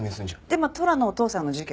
で虎のお父さんの事件もさ